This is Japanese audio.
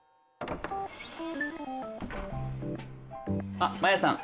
あっマヤさん